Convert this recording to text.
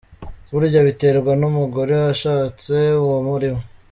Burya biterwa n’umugore washatse uwo ariwe.